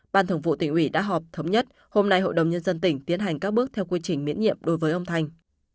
ban thường vụ tỉnh ủy đã họp thống nhất hôm nay hội đồng nhân dân tỉnh tiến hành các bước theo quy trình miễn nhiệm đối với ông thành